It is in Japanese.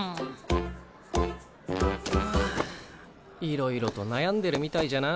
いろいろと悩んでるみたいじゃな。